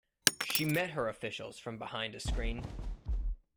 She met her officials from behind a screen.